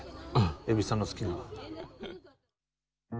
蛭子さんの好きな。